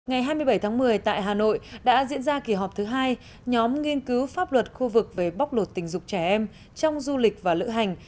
ngày hai mươi bảy tháng một mươi tại hà nội đã diễn ra kỳ họp thứ hai nhóm nghiên cứu pháp luật khu vực về bóc lột tình dục trẻ em trong du lịch và lữ hành